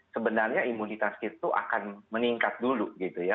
sebenarnya imunitas itu akan meningkat dulu gitu ya